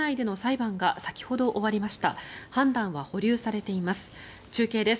判断は保留されています。